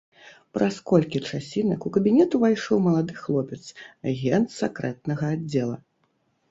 Праз колькі часінак у кабінет увайшоў малады хлопец, агент сакрэтнага аддзела.